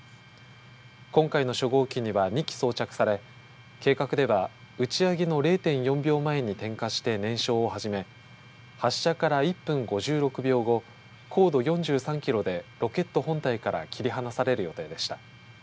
今回の初号機には２基装着され計画では打ち上げの０．４秒前に点火し燃焼をはじめ発射から１分５６秒後高度４３キロでロケット本体から切り離される予定でした。